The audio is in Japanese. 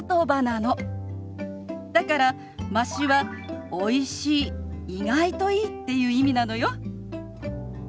だから「まし」は「おいしい」「意外といい」っていう意味なのよ。